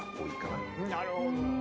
なるほど。